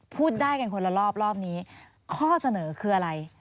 พูดได้กันคนละรอบรอบนี้ข้อเสนอคืออะไร